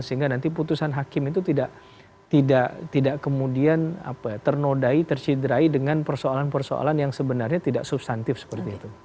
sehingga nanti putusan hakim itu tidak kemudian ternodai tersidrai dengan persoalan persoalan yang sebenarnya tidak substantif seperti itu